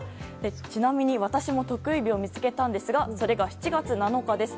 ちなみに私も特異日を見つけたんですがそれが７月７日です。